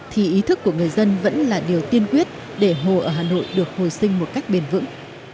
thì ý thức của người dân vẫn là điều tiên quyết để hồ ở hà nội được hồi sinh một cách bền vững